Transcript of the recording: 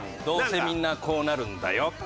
「どうせみんなこうなるんだよ」